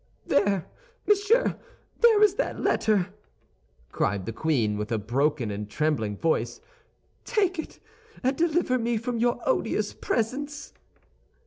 "There, monsieur, there is that letter!" cried the queen, with a broken and trembling voice; "take it, and deliver me from your odious presence."